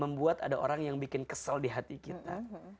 membuat ada orang yang bikin kesel di hati kita